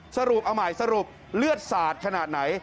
สรุปเอาใหม่สรุปเลือดสาดขนาดไหน